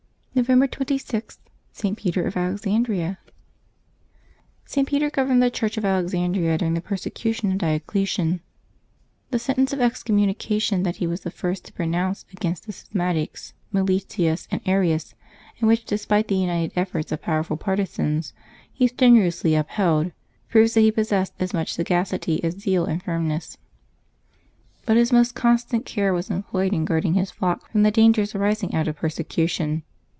November 26. ST. PETER OF ALEXANDRIA, Bishop, Martyr. ^T. Peter governed the Church of Alexandria during the persecution of Diocletian. The sentence of ex communication that he was the first to pronounce against the schismatics, Melitius and Arius, and which, despite the united efforts of powerful partisans, he strenuously upheld, proves that he possessed as much sagacity as zeal and firm ness. But his most constant care was employed in guard ing his flocks from the dangers arising out of persecution.